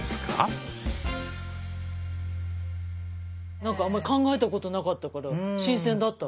なんかあんまり考えたことなかったから新鮮だったわ。